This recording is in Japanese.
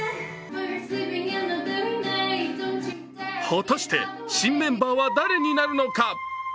果たして新メンバーは誰になるのか。